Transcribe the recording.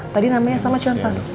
tadi namanya sama cuma pas